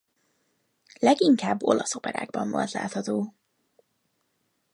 Leginkább olasz operákban volt látható.